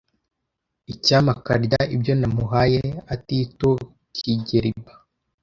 Icyampa akarya ibyo namuhaye atitokigeliba.